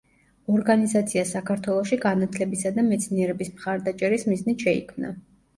ორგანიზაცია საქართველოში განათლებისა და მეცნიერების მხარდაჭერის მიზნით შეიქმნა.